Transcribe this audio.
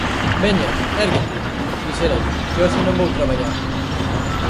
_¡Veña, érguete! _dixéralle_, que hoxe non vou traballar.